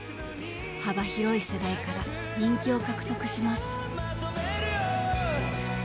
幅広い世代から人気を獲得します。